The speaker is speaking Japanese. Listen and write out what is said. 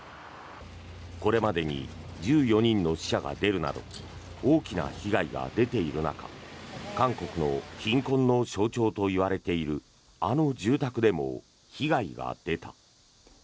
これまでに１４人の死者が出るなど大きな被害が出ている中韓国の貧困の象徴と言われているあの住宅でも被害が出た。